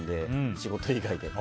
仕事以外で。